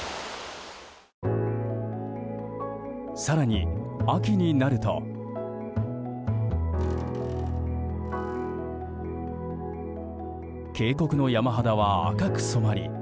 更に秋になると渓谷の山肌は赤く染まり